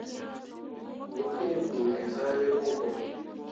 Mo inɓugezah wel wũ koro.